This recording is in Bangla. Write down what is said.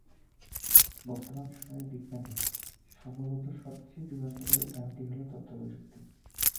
বর্তমান সময়ে বিজ্ঞানের সম্ভবত সবচেয়ে যুগান্তকারী দানটি হল তথ্যপ্রযুক্তি।